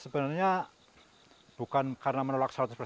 sebenarnya bukan karena menolak seratus persen